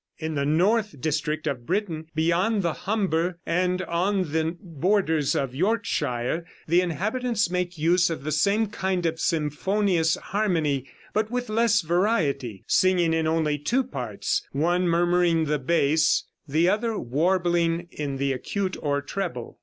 In the north district of Britain, beyond the Humber and on the borders of Yorkshire, the inhabitants make use of the same kind of symphonious harmony, but with less variety, singing in only two parts, one murmuring in the bass, the other warbling in the acute or treble.